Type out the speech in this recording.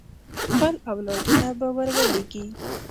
خپل اولادونه به ور ولېږي.